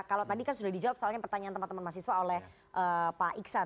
kalau tadi kan sudah dijawab soalnya pertanyaan teman teman mahasiswa oleh pak iksan